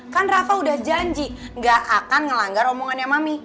kan rafa udah janji gak akan ngelanggar omongannya mami